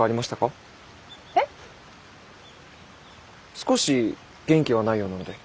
少し元気がないようなので。